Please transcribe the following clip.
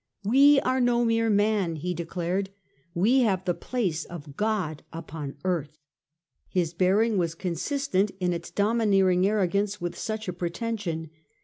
" We are no mere man," he declared ;" we have the place of God upon earth." His bearing was consistent in its domineering arrogance with such a pretension.